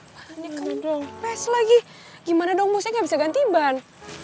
bannya kempes lagi gimana dong busnya gak bisa ganti ban